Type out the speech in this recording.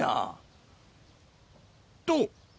と。